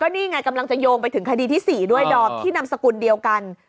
นี่ไงกำลังจะโยงไปถึงคดีที่๔ด้วยดอมที่นามสกุลเดียวกัน